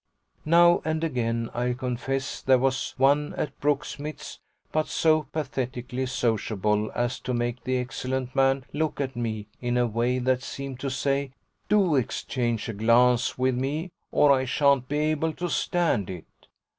Now and again, I confess, there was one at Brooksmith's, but so pathetically sociable as to make the excellent man look at me in a way that seemed to say: "Do exchange a glance with me, or I shan't be able to stand it."